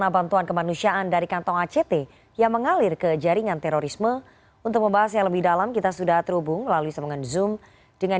selamat sore raffina selamat sore seluruh pemirsa jnn